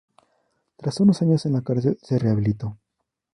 Tras unos años en la cárcel se rehabilitó.